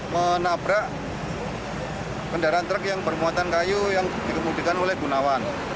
menabrak kendaraan truk yang bermuatan kayu yang dikemudikan oleh gunawan